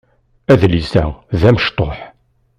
Adlis-a d amecṭuḥ.